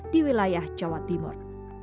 di wilayah jawa timur